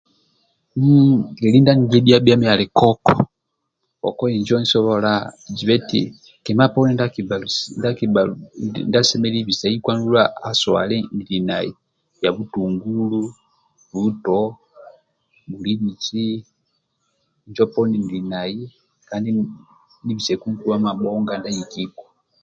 Lieli ndia anidhedhio ali koko koko injo nisobola kima poni ndia asemelulu bisaiku andulu aswale nilnai bhia butungulu vuto injo poni nili nai kandi nibiseku nkuwa ndia abhongio